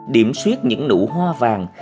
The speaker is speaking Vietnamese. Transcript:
điểm suyết những nụ hoa vàng